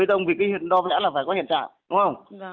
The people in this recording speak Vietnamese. xong vì cái đo vẽ là phải có hạn trạng đúng không